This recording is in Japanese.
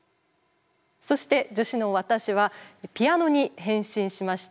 そして助手の私はピアノに変身しました。